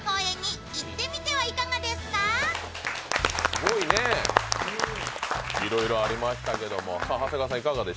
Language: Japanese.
すごいね、いろいろありましたけども。